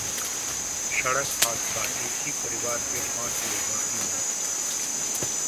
सड़क हादसा: एक ही परिवार के पांच लोगों की मौत